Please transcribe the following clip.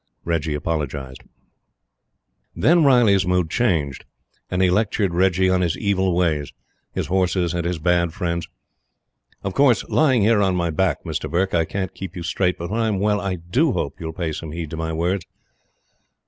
Reggie apologized. Then Riley's mood changed, and he lectured Reggie on his evil ways: his horses and his bad friends. "Of course, lying here on my back, Mr. Burke, I can't keep you straight; but when I'm well, I DO hope you'll pay some heed to my words."